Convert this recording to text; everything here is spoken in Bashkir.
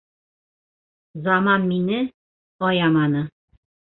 Заман мине... аяманы.